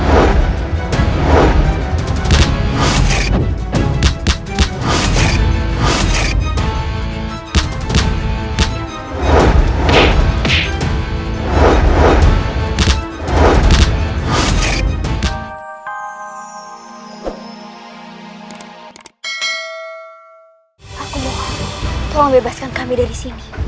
aku mohon tolong bebaskan kami dari sini